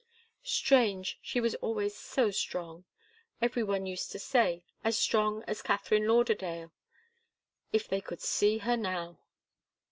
Strange she was always so strong! Every one used to say, 'as strong as Katharine Lauderdale.' If they could see her now!